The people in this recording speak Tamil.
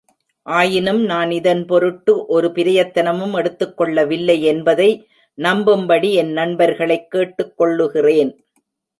ஆயினும் நான் இதன்பொருட்டு ஒரு பிரயத்தனமும் எடுத்துக் கொள்ளவில்லையென்பதை நம்பும்படி என் நண்பர்களைக் கேட்டுக் கொள்ளுகிறேன்.